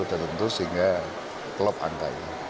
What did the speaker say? sudah tentu sehingga klop angkanya